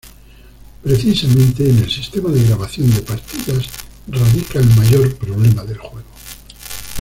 Precisamente en el sistema de grabación de partidas radica el mayor problema del juego.